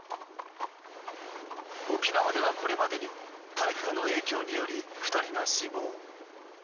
沖縄ではこれまでに台風の影響により２人が死亡。